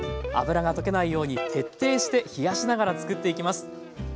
油が溶けないように徹底して冷やしながら作っていきます。